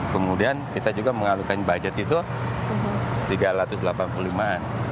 kemudian kita juga mengalukan budget itu tiga ratus delapan puluh lima an